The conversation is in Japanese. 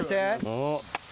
おっ。